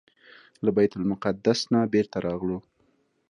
له بیت المقدس نه بیرته راغلو.